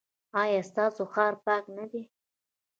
ایا ستاسو ښار پاک نه دی؟